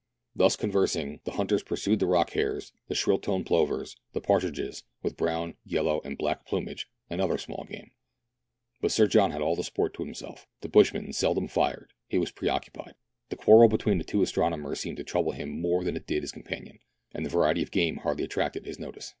Thus conversing, the hunters pursued the rock hares, the shrill toned plovers, the partridges (with brown, yellow, and black plumage), and other small game. But Sir John had all the sport to himself. The bushman seldom fired ; he was pre occupicd. The quarrel between the two astro nomers seemed to trouble him more than it did his com panion, and the variety of game hardly attracted his notice.